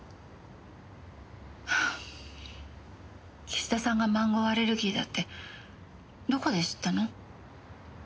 岸田さんがマンゴーアレルギーだってどこで知ったの？